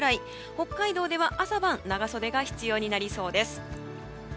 北海道では朝晩長袖が必要になりそうです。